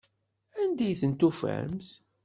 Anda i tent-tufamt?